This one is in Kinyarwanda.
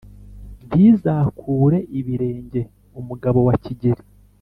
Ntizakure ibirenge umugabo wa Kigeli.